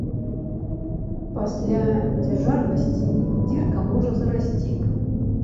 Пасля цяжарнасці дзірка можа зарасці.